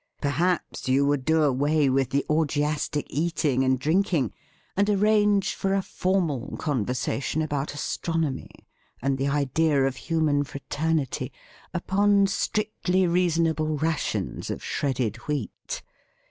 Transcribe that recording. Perhaps you would do away with the orgiastic eat ing and drinking, and arrange for a formal conversation about astronomy and the idea of human fraternity, upon strictly reasonable rations of shredded wheat!